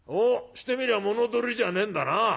してみりゃ物取りじゃねえんだな。